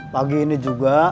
pagi ini juga